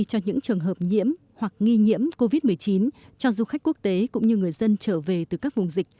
cho những trường hợp nhiễm hoặc nghi nhiễm covid một mươi chín cho du khách quốc tế cũng như người dân trở về từ các vùng dịch